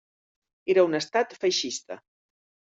Era un estat feixista.